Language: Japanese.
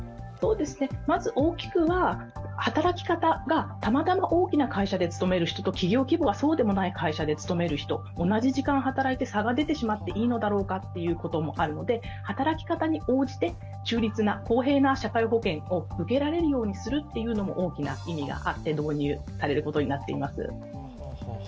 まず大きくは、働き方がたまたま大きな会社で勤める人と企業規模がそうでもない会社に勤める人、差が出てしまっていいのだろうということもあるので、働き方に応じて、中立な社会保険を受けられるようにするというのも大きな意味があって導入されることになっています。